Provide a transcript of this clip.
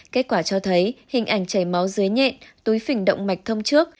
kết quả cho thấy hình ảnh chảy máu dưới nhẹn túi phình động mạch thông trước